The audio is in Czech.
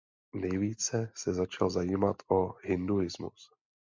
Nejvíce se začal zajímat o hinduismus.